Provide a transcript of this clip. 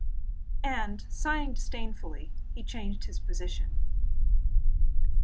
And sighing disdainfully, he again changed his position.